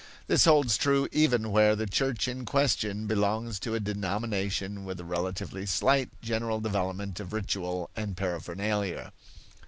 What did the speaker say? This holds true even where the church in question belongs to a denomination with a relatively slight general development of ritual and paraphernalia.